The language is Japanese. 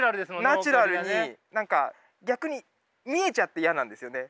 ナチュラルに何か逆に見えちゃって嫌なんですよね